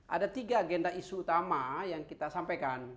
ada tiga agenda isu utama yang kita sampaikan